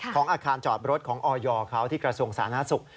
ของอาคารจอดรถของอยเขาที่กระทรวงศาลนาศุกร์